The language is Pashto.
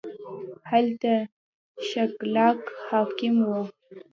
هلته ښکېلاک حاکم وو